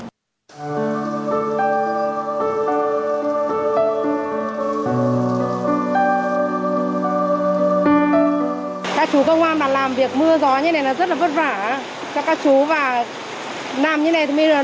việc mưa gió như thế này rất là vất vả cho các chú và làm như thế này thì mới là đúng